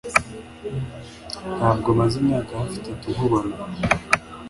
Ntabwo maze imyaka hafi itatu nkubona